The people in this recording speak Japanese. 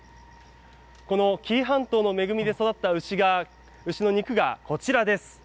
この紀伊半島の恵みで育った牛が、牛の肉がこちらです。